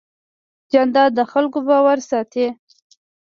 جانداد د خلکو باور ساتي.